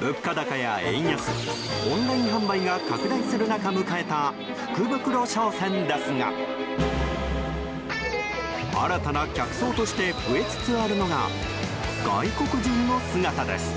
物価高や円安、オンライン販売が拡大する中迎えた福袋商戦ですが新たな客層として増えつつあるのが外国人の姿です。